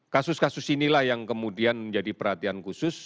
kasus kasus inilah yang kemudian menjadi perhatian khusus